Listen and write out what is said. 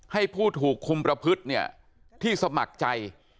ให้ผู้ถูกคุมประพฤติเนี่ยที่สมัครใจ